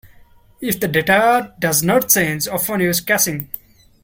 If the data does not change often use caching.